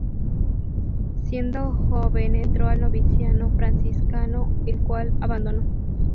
Siendo joven entró al noviciado franciscano, el cual abandonó.